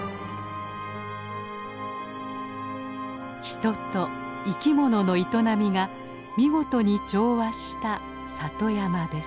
人と生きものの営みが見事に調和した里山です。